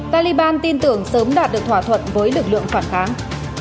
taliban tin tưởng sớm đạt được thỏa thuận với lực lượng phản kháng